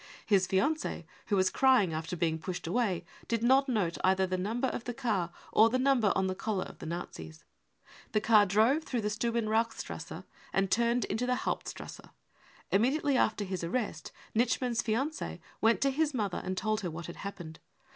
His fiancee, who was crying after being pushed away, did not note either the number of the car or the number on the collar of the Nazis. The car drove through the Stuben rauchstrasse and turned into the Hauptstrasse. Immediately after his arrest Nitschmann's fiancee went to his mother and told her what had happened.